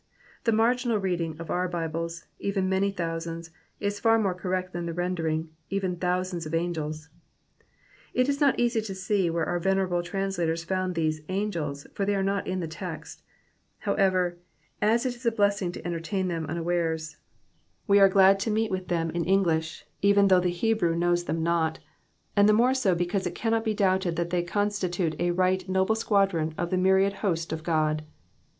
*' The marginal reading of our Bibles, '''' eten many thousands,'''' is far more cor rect than the rendering, even thousands of angels.'''' It is not easy to see where our venerable translators found these *' angels," for they are not in the text ; however, as it is a blessing to entertain them unawares, we are glad to meet with them in English, even though the Hebrew knows them not ; and the more so because it cannot be doubted that they constitute a right noble squadron of the myriad hosts of God.